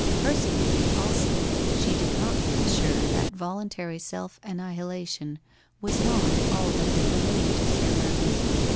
Personally, also, she did not feel sure that voluntary self annihilation was not all that had remained to Sir Mervyn.